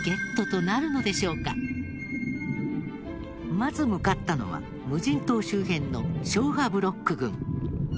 まず向かったのは無人島周辺の消波ブロック群。